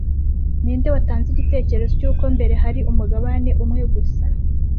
Ninde watanze igitekerezo cy'uko mbere hari umugabane umwe gusa